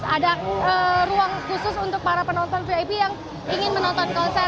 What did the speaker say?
ada ruang khusus untuk para penonton vip yang ingin menonton konser